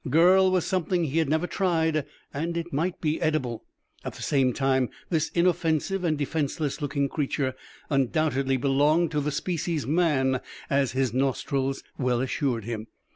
Girl was something he had never tried, and it might be edible. At the same time, this inoffensive and defenseless looking creature undoubtedly belonged to the species Man, as his nostrils well assured him.